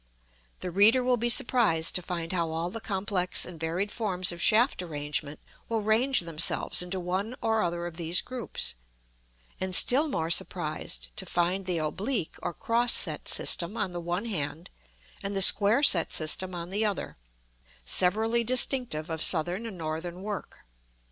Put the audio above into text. The reader will be surprised to find how all the complex and varied forms of shaft arrangement will range themselves into one or other of these groups; and still more surprised to find the oblique or cross set system on the one hand, and the square set system on the other, severally distinctive of Southern and Northern work.